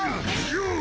よう！